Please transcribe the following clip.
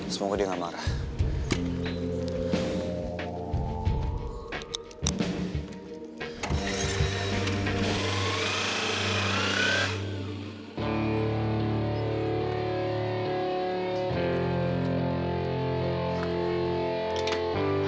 semoga dia gak marah